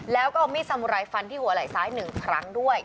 แล้วก็เอามีดสมุไรฟันที่หัวไหล่ซ้าย๑ครั้งด้วย